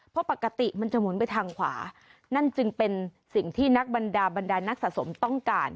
เพราะปกติมันจะหมุนไปทางขวานั่นจึงเป็นสิ่งที่นักบรรดาบรรดานักสะสมต้องการ